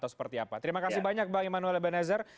seperti apa terima kasih banyak bang emmanuel ebenezer